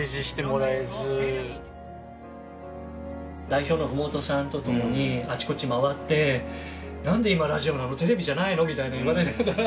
代表の麓さんと共にあちこち回って「なんで今ラジオなの？テレビじゃないの？」みたいなの言われながら。